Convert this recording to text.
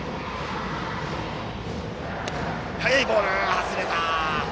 外れた。